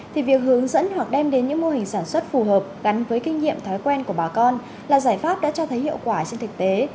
thì việc hướng dẫn hoặc đem đến những mô hình sản xuất phù hợp gắn với kinh nghiệm thói quen của bà con là giải pháp đã cho thấy hiệu quả trên thực tế